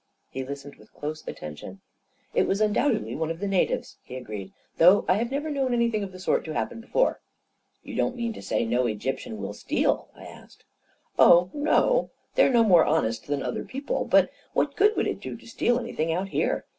He listened with close atten tion. "It was undoubtedly one of the natives," he agreed, " though I have never known anything of the sort to happen before." " You don't mean to say no Egyptian will steal ?" I asked. 41 Oh, no ; they're no more honest than other peo ple. But what good would it do to steal anything out here?